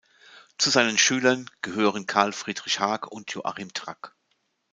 Zu seinen Schülern gehören Karl-Friedrich Haag und Joachim Track.